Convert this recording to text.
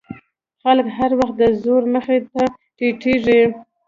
خلک هر وخت د زور مخې ته ټیټېږي.